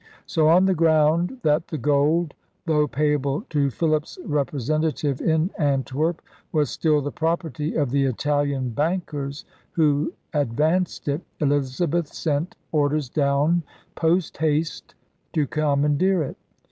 So, on the ground that the gold, though payable to Philip's representa tive in Antwerp, was still the property of the Italian bankers who advanced it, Elizabeth sent orders down post haste to commandeer it.